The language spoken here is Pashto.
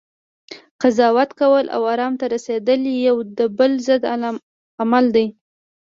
قضاوت کول، او ارام ته رسیدل یو د بل ضد عمل دی